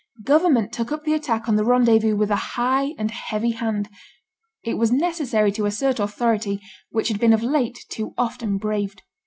Government took up the attack on the Rendezvous with a high and heavy hand. It was necessary to assert authority which had been of late too often braved.